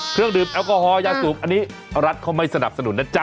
เครื่องดื่มแอลกอฮอลยาสูบอันนี้รัฐเขาไม่สนับสนุนนะจ๊